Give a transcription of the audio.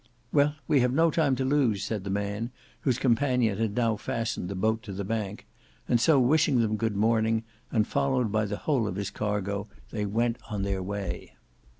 "Well, we have no time to lose," said the man, whose companion had now fastened the boat to the bank, and so wishing them good morning, and followed by the whole of his cargo, they went on their way.